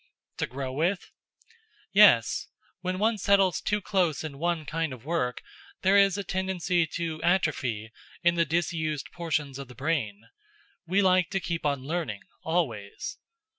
"To grow with?" "Yes. When one settles too close in one kind of work there is a tendency to atrophy in the disused portions of the brain. We like to keep on learning, always."